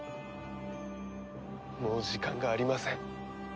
もう時間がありません。